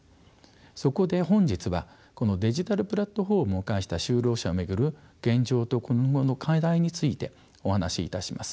そこで本日はこのデジタルプラットフォームを介した就労者を巡る現状と今後の課題についてお話しいたします。